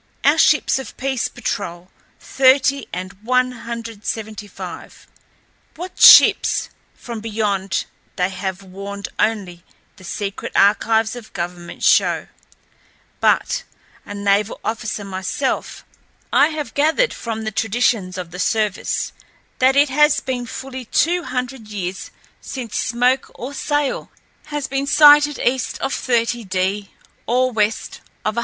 Our ships of peace patrol thirty and one hundred seventy five. What ships from beyond they have warned only the secret archives of government show; but, a naval officer myself, I have gathered from the traditions of the service that it has been fully two hundred years since smoke or sail has been sighted east of 30° or west of 175°.